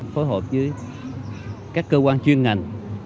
phối hợp với các cơ quan chuyên ngành